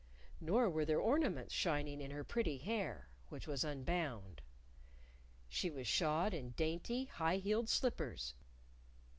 Nor were there ornaments shining in her pretty hair, which was unbound. She was shod in dainty, high heeled slippers.